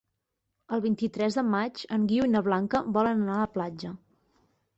El vint-i-tres de maig en Guiu i na Blanca volen anar a la platja.